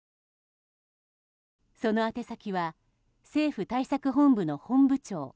その宛先は政府対策本部の本部長。